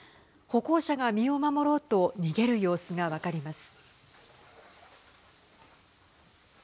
歩行者が身を守ろうと逃げる様子が分かります。